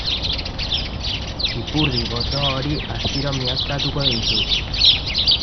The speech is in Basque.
Ipurdi gozo hori astiro miazkatuko dizut.